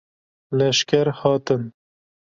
Leşger hatin.